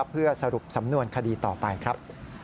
เพื่อสรุปสำนวนคดีต่อไปครับ